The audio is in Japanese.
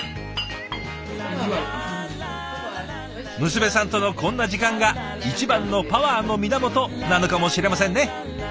娘さんとのこんな時間が一番のパワーの源なのかもしれませんね。